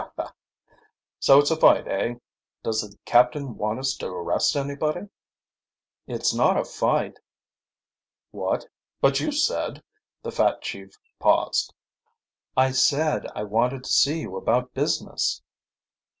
ha! So it's a fight, eh? Does the captain want us to arrest anybody?" "It's not a fight." "What? But you said " The fat chief paused. "I said I wanted to see you about business."